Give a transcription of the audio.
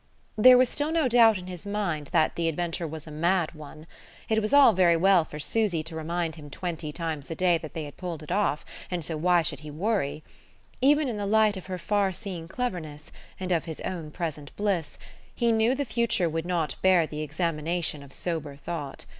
There was still no doubt in his mind that the adventure was a mad one. It was all very well for Susy to remind him twenty times a day that they had pulled it off and so why should he worry? Even in the light of her far seeing cleverness, and of his own present bliss, he knew the future would not bear the examination of sober thought.